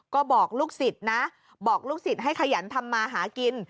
ก็บอกลูกศิษย์นะบอกลูกศิษย์ให้ขยันทำมาหากิน